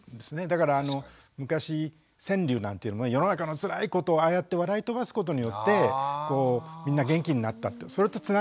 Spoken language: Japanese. だから昔川柳なんていうのは世の中のつらいことをああやって笑い飛ばすことによってみんな元気になったってそれとつながるとこがありますね。